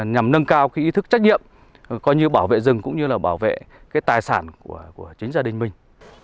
nhằm nâng cao ý thức trách nhiệm coi như bảo vệ rừng cũng như là bảo vệ cái tài sản của chính gia đình mình